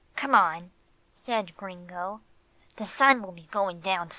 "Come on," said Gringo, "the sun will soon be going down."